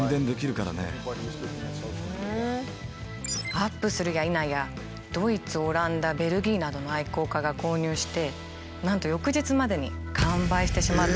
アップするやいなやドイツオランダベルギーなどの愛好家が購入してなんと翌日までにええ！